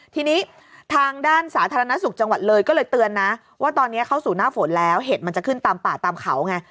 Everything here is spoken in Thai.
ทีนี้ทางด้านสาธารณสุขจังหวัดเลยก็เลยเตือนนะว่าตอนนี้เข้าสู่หน้าฝนแล้วเห็ดมันจะขึ้นตามป่าตามเขาไง